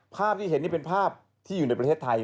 ภาพที่เห็นนี่เป็นภาพที่อยู่ในประเทศไทย